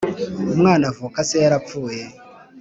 umwana avuka se yarapfuye